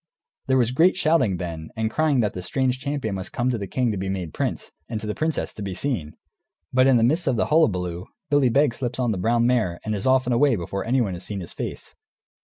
There was great shouting, then, and crying that the strange champion must come to the king to be made prince, and to the princess, to be seen. But in the midst of the hullabaloo Billy Begs slips on the brown mare and is off and away before anyone has seen his face.